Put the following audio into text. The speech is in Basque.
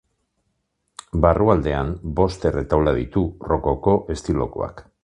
Barrualdean, bost erretaula ditu rokoko estilokoak.